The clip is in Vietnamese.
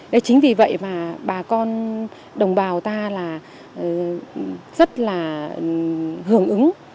đấy chính vì vậy mà bà con đồng bào ta là rất là hưởng ứng